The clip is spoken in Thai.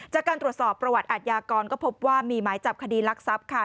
จากการตรวจสอบประวัติอาทยากรก็พบว่ามีหมายจับคดีรักทรัพย์ค่ะ